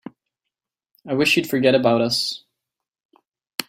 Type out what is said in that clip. I wish you'd forget about us.